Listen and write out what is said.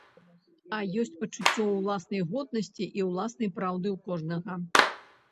А ёсць пачуццё ўласнай годнасці і ўласнай праўды ў кожнага.